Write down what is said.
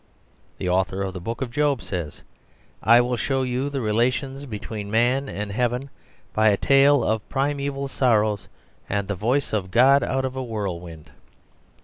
The author of the Book of Job says, "I will show you the relations between man and heaven by a tale of primeval sorrows and the voice of God out of a whirlwind."